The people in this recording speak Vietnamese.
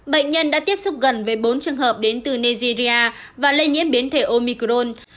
bệnh nhân đã tiếp xúc gần với bốn trường hợp đến từ nigeria và lây nhiễm biến thể omicron